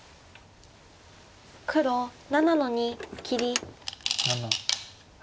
黒７の二切り。